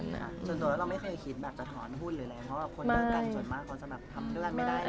จนโดยเราไม่เคยคิดแบบจะถอนหุ้นหรืออะไรเพราะว่าคนเหมือนกันจนมากเขาจะแบบทำด้วยกันไม่ได้